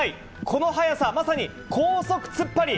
この速さ、まさに高速つっぱり。